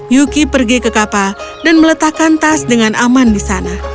yuki pergi ke kapal dan meletakkan tas dengan aman di sana